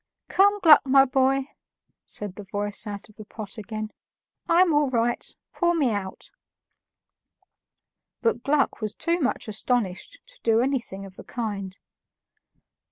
"Come, Gluck, my boy," said the voice out of the pot again, "I'm all right; pour me out." But Gluck was too much astonished to do anything of the kind.